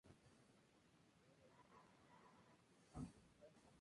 Su madre contrajo segundas nupcias con un joyero alemán.